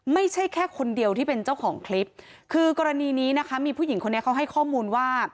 ไม่ใช่แค่คนเดียวที่เป็นเจ้าของคลิปคือกรณีนี้นะคะมีผู้หญิงคนนี้เขาให้ข้อมูลว่า